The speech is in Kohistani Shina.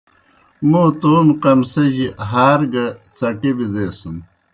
موں تومیْ قمصِجیْ ہار گہ څٹیئی بِدیسِن۔